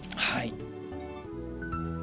はい。